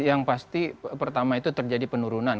yang pasti pertama itu terjadi penurunan